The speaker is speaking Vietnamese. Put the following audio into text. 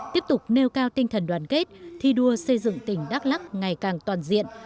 tiếp tục nêu cao tinh thần đoàn kết thi đua xây dựng tỉnh đắk lắc ngày càng toàn diện